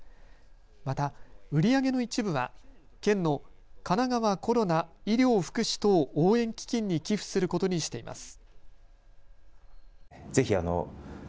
また売り上げの一部は県のかながわコロナ医療・福祉等応援基金に寄付することにしています。